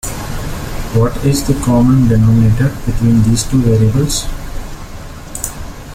What is the common denominator between these two variables?